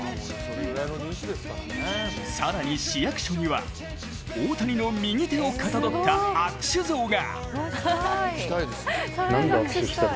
更に市役所には、大谷の右手をかたどった握手像が。